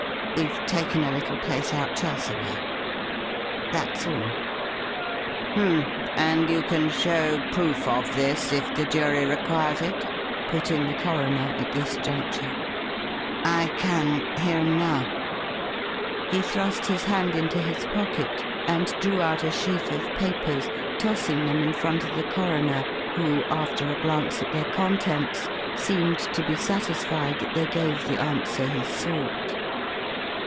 We've taken a little place out Chelsea way. That's all." "H'm. And you can show proof of this, if the jury requires it?" put in the coroner, at this juncture. "I can here and now." He thrust his hand into his pocket and drew out a sheaf of papers, tossing them in front of the coroner, who, after a glance at their contents, seemed to be satisfied that they gave the answer he sought.